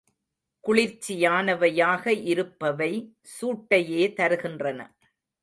குளிர்ச்சியானவையாக இருப்பவை சூட்டையே தருகின்றன.